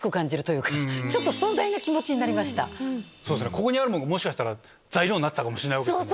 ここにあるものがもしかしたら材料になってたかもしれない。